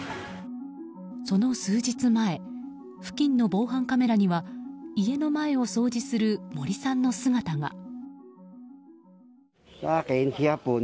その数日前付近の防犯カメラには家の前を掃除するモリさんの姿が。